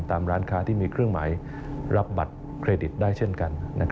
ตามร้านค้าที่มีเครื่องหมายรับบัตรเครดิตได้เช่นกัน